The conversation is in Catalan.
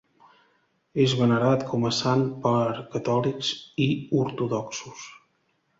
És venerat com a sant per catòlics i ortodoxos.